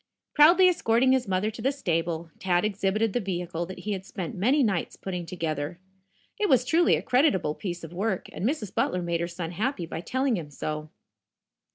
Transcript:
Proudly escorting his mother to the stable, Tad exhibited the vehicle that he had spent many nights putting together. It was truly a creditable piece of work, and Mrs. Butler made her son happy by telling him so.